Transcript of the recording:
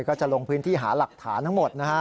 ก็จะลงพื้นที่หาหลักฐานทั้งหมดนะฮะ